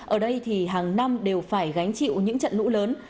ở đây thì hàng năm đều phải gánh chịu những trận lũ lớn